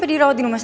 ada orang di depan